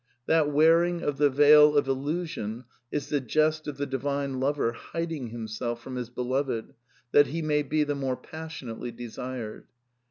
That wearing of the veil of illusion is the jest of the Divine Lover hiding himself from his beloved that he may be the more passionately desired.